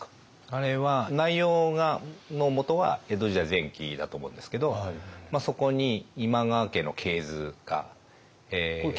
あれは内容のもとは江戸時代前期だと思うんですけどそこに今川家の系図が写されていて。